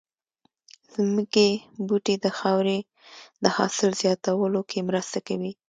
ځمکې بوټي د خاورې د حاصل زياتولو کې مرسته کوي